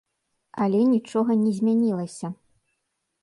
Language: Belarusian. Але нічога не змянілася.